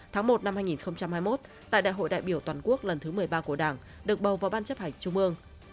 tháng một năm hai nghìn hai mươi một tại đại hội đại biểu toàn quốc lần thứ một mươi ba của đảng được bầu vào ban chấp hành trung ương